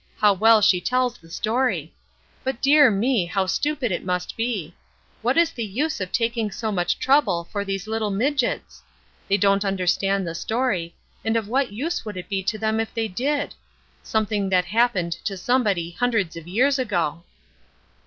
How well she tells the story! But dear me! how stupid it must be. What is the use of taking so much trouble for these little midgets? They don't understand the story, and of what use would it be to them if they did? Something that happened to somebody hundreds of years ago."